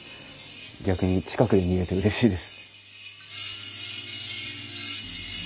逆に近くで見れてうれしいです。